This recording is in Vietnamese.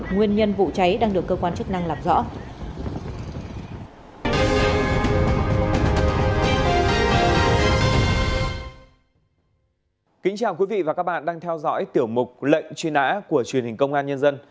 nguyên nhân vụ cháy đang được cơ quan chức năng làm rõ